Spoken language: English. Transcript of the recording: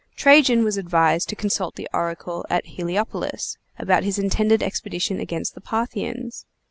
Trajan was advised to consult the oracle at Heliopolis, about his intended expedition against the Parthians.